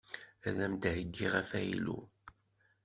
Ad am-d-heyyiɣ afaylu.